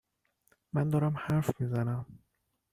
- من دارم حرف می زنم